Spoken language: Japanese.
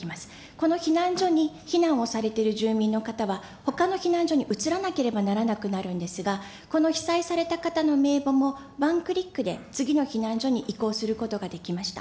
この避難所に避難をされている住民の方は、ほかの避難所に移らなければならなくなるんですが、この被災された方の名簿も、ワンクリックで次の避難所に移行することができました。